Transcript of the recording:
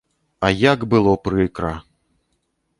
А як было прыкра!